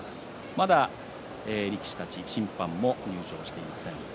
まだ力士たち審判も入場していません。